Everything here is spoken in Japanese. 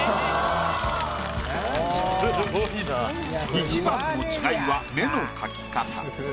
一番の違いは目の描き方。